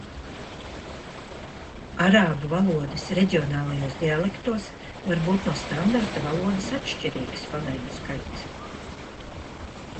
Arābu valodas reģionālajos dialektos var būt no standarta valodas atšķirīgs fonēmu skaits.